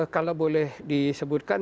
kalau boleh disebutkan